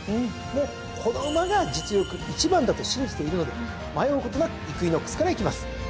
この馬が実力１番だと信じているので迷うことなくイクイノックスからいきます！